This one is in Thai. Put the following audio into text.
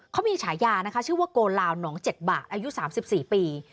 เขามีฉายานะคะชื่อว่าโกลาวน์หนองเจ็ดบาทอายุสามสิบสี่ปี